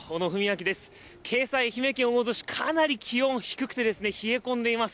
けさ愛媛県大洲市、かなり気温低くて、冷え込んでいます。